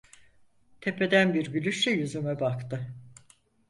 Tepeden bir gülüşle yüzüme baktı.